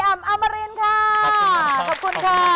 อมรินค่ะขอบคุณค่ะ